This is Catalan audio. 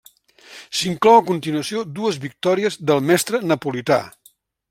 S'inclou a continuació dues victòries del mestre napolità.